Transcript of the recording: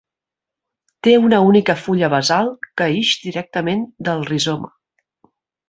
Té una única fulla basal que ix directament del rizoma.